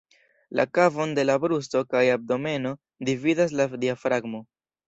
La kavon de la brusto kaj abdomeno dividas la diafragmo.